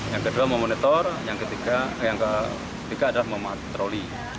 yang kedua memonitor yang ketiga adalah mematroli